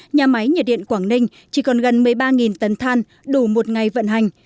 nhà máy nhiệt điện quảng ninh chỉ còn gần một mươi ba tấn than đủ một ngày vận hành